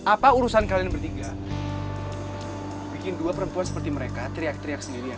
apa urusan kalian bertiga bikin dua perempuan seperti mereka teriak teriak sendirian